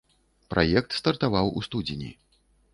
Праект стартаваў у студзені.